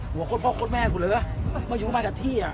หัวข้นพ่อข้นแม่ของคุณเหรอมาอยู่มันกับที่อ่ะ